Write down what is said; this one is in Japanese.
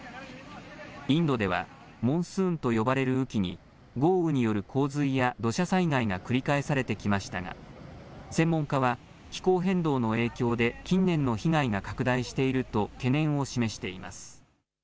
インドではモンスーンと呼ばれる雨季に豪雨による洪水や土砂災害が繰り返されてきましたが専門家は気候変動の影響で近年の被害が拡大していると懸念を示しています。